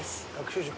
塾？